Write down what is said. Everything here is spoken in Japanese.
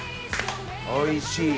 おいしい。